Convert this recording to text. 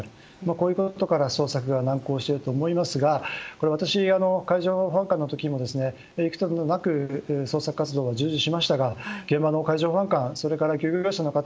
こういうことから捜索が難航していると思いますが私、海上保安官の時にも捜索活動に従事しましたが現場の海上保安官それから漁業者の方